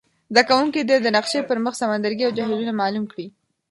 زده کوونکي دې د نقشي پر مخ سمندرګي او جهیلونه معلوم کړي.